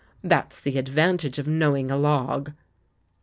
That's the ad vantage of knowing a log!"